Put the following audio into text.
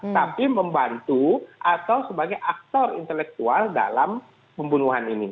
tapi membantu atau sebagai aktor intelektual dalam pembunuhan ini